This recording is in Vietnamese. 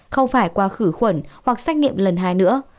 không phải qua khử khuẩn hoặc xét nghiệm lần hai nữa